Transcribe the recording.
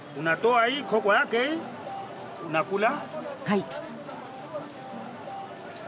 はい。